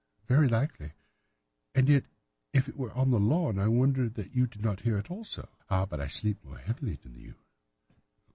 "'Very likely. And yet if it were on the lawn, I wonder that you did not hear it also.' "'Ah, but I sleep more heavily than you.